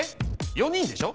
４人でしょ？